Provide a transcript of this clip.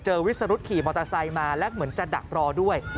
วิสรุธขี่มอเตอร์ไซค์มาและเหมือนจะดักรอด้วย